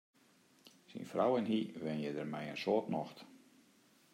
Syn frou en hy wenje dêr mei in soad nocht.